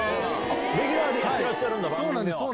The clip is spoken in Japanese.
レギュラーでやってらっしゃる番組を。